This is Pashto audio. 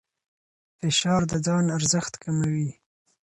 فشار د ځان ارزښت کموي.